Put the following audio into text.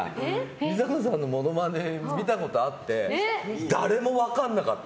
美佐子さんのモノマネ見たことあって誰も分からなかった。